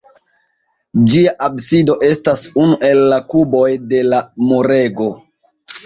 Ĝia absido estas unu el la kuboj de la murego.